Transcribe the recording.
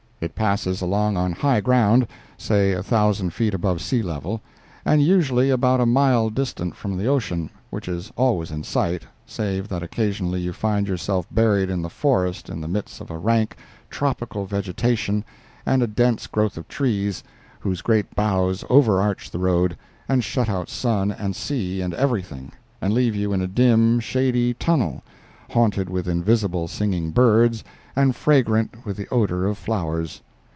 It passes along on high ground—say a thousand feet above sea level—and usually about a mile distant from the ocean, which is always in sight, save that occasionally you find yourself buried in the forest in the midst of a rank, tropical vegetation and a dense growth of trees, whose great boughs overarch the road and shut out sun and sea and everything, and leave you in a dim, shady tunnel, haunted with invisible singing birds and fragrant with the odor of flowers.